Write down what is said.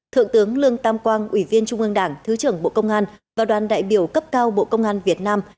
thượng tướng lương tam quang ủy viên trung ương đảng thứ trưởng bộ công an và đoàn đại biểu cấp cao bộ công an việt nam